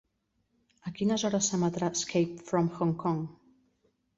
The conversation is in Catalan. A quines hores s'emetrà Escape from Hong Kong?